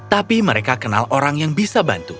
tapi mereka kenal orang yang bisa bantu